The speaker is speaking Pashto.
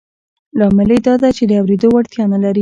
لامل یې دا دی چې د اورېدو وړتیا نه لري